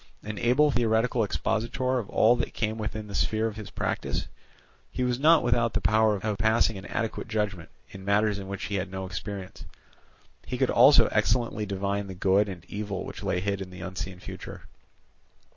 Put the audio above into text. An able theoretical expositor of all that came within the sphere of his practice, he was not without the power of passing an adequate judgment in matters in which he had no experience. He could also excellently divine the good and evil which lay hid in the unseen future.